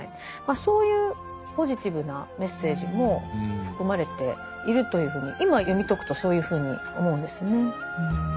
そういうポジティブなメッセージも含まれているというふうに今読み解くとそういうふうに思うんですね。